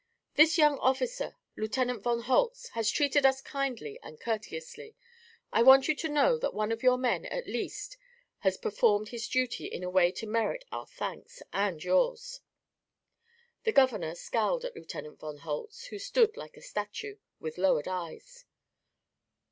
This young officer, Lieutenant von Holtz, has treated us kindly and courteously. I want you to know that one of your men, at least, has performed his duty in a way to merit our thanks and yours." The governor scowled at Lieutenant von Holtz, who stood like a statue, with lowered eyes.